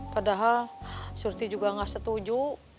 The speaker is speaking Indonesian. padahal surti juga nggak setuju